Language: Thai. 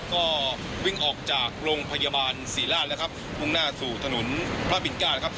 ก็วิ่งออกจากโรงพยาบาลสีราชพรุ่งหน้าสู่ถนนพระบินกา